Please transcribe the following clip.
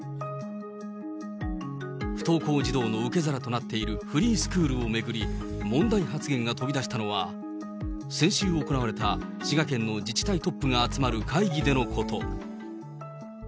不登校児童の受け皿となっているフリースクールを巡り、問題発言が飛び出したのは、先週行われた滋賀県の自治体トップが集まる会議でのこと。